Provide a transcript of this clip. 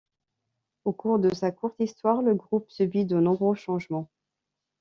Au cours de sa courte histoire le groupe subit de nombreux changements.